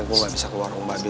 gue gak bisa ke warung babe